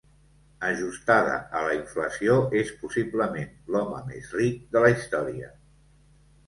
Ajustada a la inflació és possiblement l'home més ric de la història.